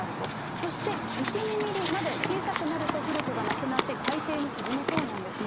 そして１、２ミリまで小さくなると浮力がなくなって、海底に沈むそうなんですね。